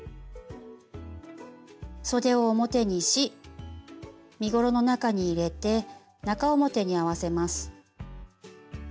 そでを表にし身ごろの中に入れて中表に合わせます。